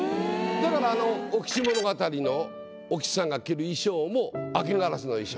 だからあの「お吉物語」のお吉さんが着る衣装も明け烏の衣装。